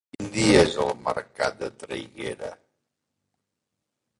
Quin dia és el mercat de Traiguera?